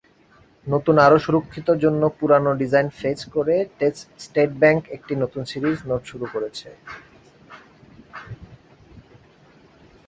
নতুন, আরও সুরক্ষিত জন্য পুরানো ডিজাইন ফেজ করে স্টেট ব্যাংক একটি নতুন সিরিজ নোট শুরু করেছে।